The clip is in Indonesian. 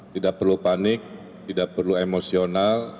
tidak perlu panik tidak perlu emosional